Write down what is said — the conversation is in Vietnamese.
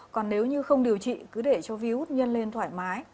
còn nếu như không điều trị cứ để cho viếu út nhân lên thoải mái